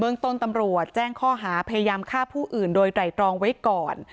เรื่องต้นตำรวจแจ้งข้อหาพยายามฆ่าผู้อื่นโดยไตรตรองไว้ก่อน